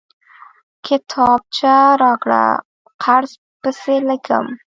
کتابچه راکړه، قرض پسې ليکم!